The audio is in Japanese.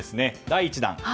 第１弾。